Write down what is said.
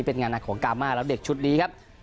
เป็นงานหนักของกามาแล้วเด็กชุดนี้ครับ